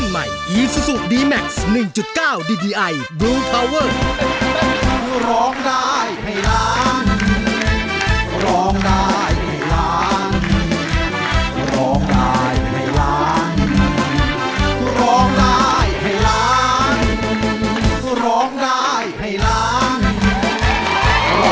มีความสุขแล้วเติบนะครับ